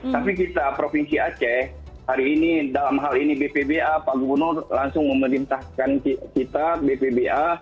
tapi kita provinsi aceh hari ini dalam hal ini bpba pak gubernur langsung memerintahkan kita bpba